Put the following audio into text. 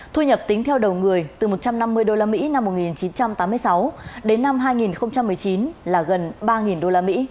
thu nhập tính theo đầu người từ một trăm năm mươi usd năm một nghìn chín trăm tám mươi sáu đến năm hai nghìn một mươi chín là gần ba usd